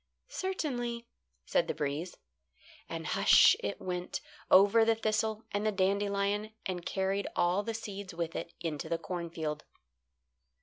"Certainly," said the breeze. And hush! it went over the thistle and the dandelion and carried all the seeds with it into the cornfield.